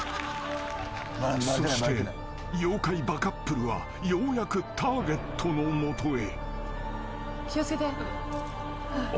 ［そして妖怪バカップルはようやくターゲットの元へ］